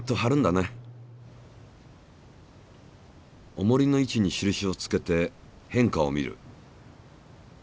おもりの位置に印をつけて変化を見る。